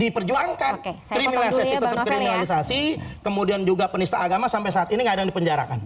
diperjuangkan kriminalisasi kemudian juga penista agama sampai saat ini ada di penjarakan